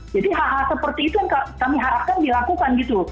jadi hal hal seperti itu yang kami harapkan dilakukan gitu